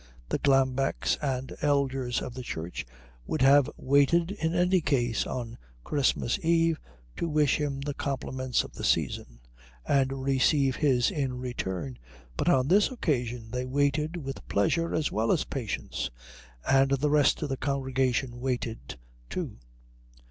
The Glambecks and elders of the church would have waited in any case on Christmas Eve to wish him the compliments of the season and receive his in return, but on this occasion they waited with pleasure as well as patience, and the rest of the congregation waited, too.